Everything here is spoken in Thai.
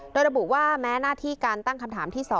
โดยระบุว่าแม้หน้าที่การตั้งคำถามที่๒